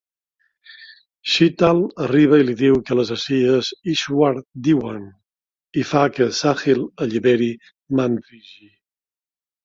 Sheetal arriba i li diu que l'assassí és Ishwar Dewan, i fa que Sahil alliberi Mantriji.